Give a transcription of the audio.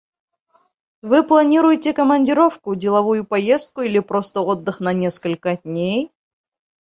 Вы планируете командировку, деловую поездку или просто отдых на несколько дней?